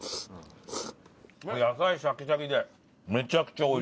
野菜シャキシャキでめちゃくちゃ美味しい。